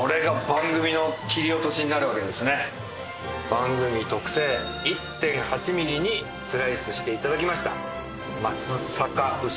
番組特製１．８ミリにスライスして頂きました。